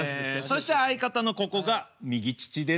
そして相方のここが右乳です。